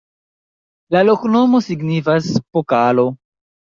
La loknomo signifas: pokalo.